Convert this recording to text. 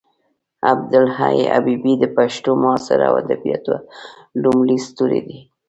عبدالحی حبیبي د پښتو معاصرو ادبیاتو لومړی ستوری دی.